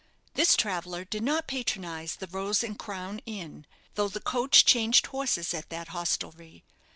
This traveller did not patronise the "Rose and Crown" inn, though the coach changed horses at that hostelry.